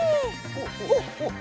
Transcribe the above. おっ。